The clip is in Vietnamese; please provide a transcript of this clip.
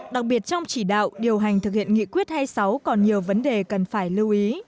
đặc biệt trong chỉ đạo điều hành thực hiện nghị quyết hai mươi sáu còn nhiều vấn đề cần phải lưu ý